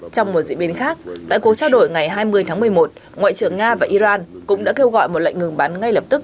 trong một diễn biến khác tại cuộc trao đổi ngày hai mươi tháng một mươi một ngoại trưởng nga và iran cũng đã kêu gọi một lệnh ngừng bắn ngay lập tức